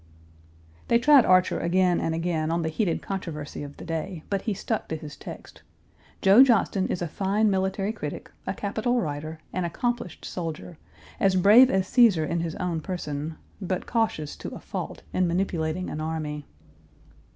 They tried Archer again and again on the heated controversy of the day, but he stuck to his text. Joe Johnston is a fine military critic, a capital writer, an accomplished soldier, as brave as Cæsar in his own person, but cautious to a fault in manipulating an army.